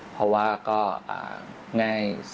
เพราะว่าก็ง่าย